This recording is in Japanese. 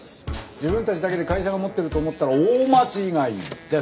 自分たちだけで会社がもってると思ったら大間違いです！